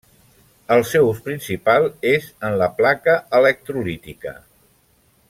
El seu ús principal és en la placa electrolítica.